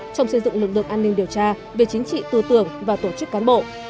trong xây dựng lực lượng an ninh điều tra về chính trị tư tưởng và tổ chức cán bộ